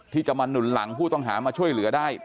ที่จะมาหนุนหลังผู้ต้องหามาช่วยเหลือได้